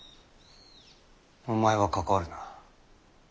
お前は関わるな。